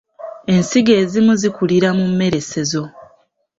Ensigo ezimu zikulira mu mmeresezo.